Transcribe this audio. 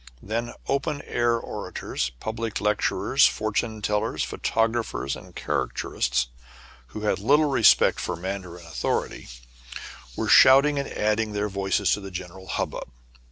Then open air orators, public lecturers, for tune tellers, photographers, and caricaturists, who had little respect for mandarin authority, were FOUR CITIES IN ONE. 159 shouting and adding their voices to the general hubbub.